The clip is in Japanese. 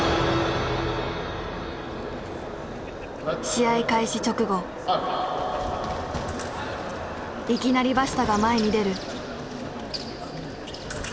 試合開始直後いきなりバシタが前に出る。